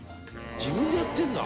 「自分でやってんだ！」